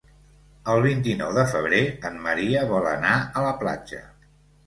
El vint-i-nou de febrer en Maria vol anar a la platja.